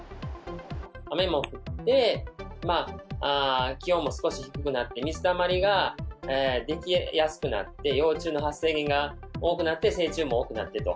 雨も降って、気温も少し低くなって、水たまりが出来やすくなって、幼虫の発生源が多くなって、成虫も多くなっていると。